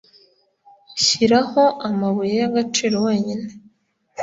shiraho, amabuye y'agaciro wenyine,